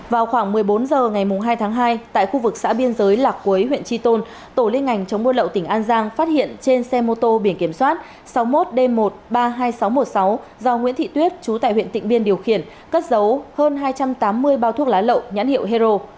vào khoảng một mươi bốn h ngày hai tháng hai tại khu vực xã biên giới lạc cuối huyện chi tôn tổ liên ngành chống buôn lậu tỉnh an giang phát hiện trên xe mô tô biển kiểm soát sáu mươi một d một trăm ba mươi hai nghìn sáu trăm một mươi sáu do nguyễn thị tuyết chú tại huyện tịnh biên điều khiển cất dấu hơn hai trăm tám mươi bao thuốc lá lậu nhãn hiệu hero